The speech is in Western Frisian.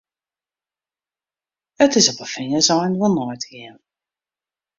It is op 'e fingerseinen wol nei te gean.